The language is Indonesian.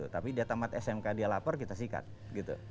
tapi dia tamat smk dia lapor kita sikat gitu